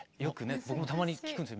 僕もたまに聞くんですよ